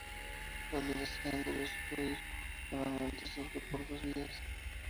La obligación de restituir normalmente surge por dos vías.